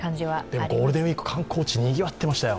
でもゴールデンウイーク、観光地にぎわっていましたよ。